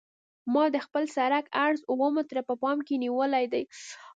ما د خپل سرک عرض اوه متره په پام کې نیولی دی